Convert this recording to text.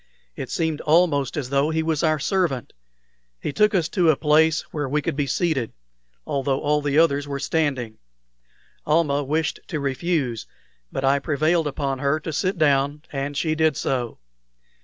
It seemed almost as though he was our servant. He took us to a place where we could be seated, although all the others were standing. Almah wished to refuse, but I prevailed upon her to sit down, and she did so.